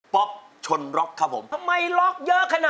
เปลี่ยน